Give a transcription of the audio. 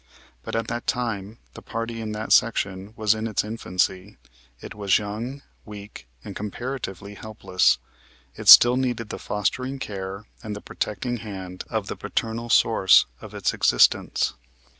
But at that time the party in that section was in its infancy. It was young, weak, and comparatively helpless. It still needed the fostering care and the protecting hand of the paternal source of its existence.